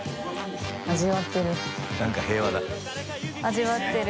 味わってる。